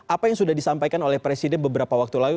apa yang sudah disampaikan oleh presiden beberapa waktu lalu